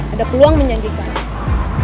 ada peluang menjanjikan